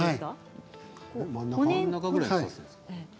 真ん中くらいに刺すんですか。